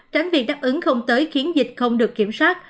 tránh việc đáp ứng không tới khiến dịch không được kiểm soát